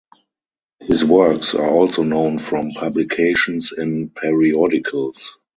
His works are also known from publications in periodicals.